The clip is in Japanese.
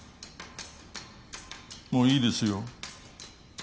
もういいですよ